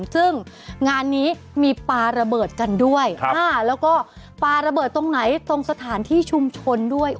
ซึ่งงานนี้มีปลาระเบิดกันด้วยแล้วก็ปลาระเบิดตรงไหนตรงสถานที่ชุมชนด้วย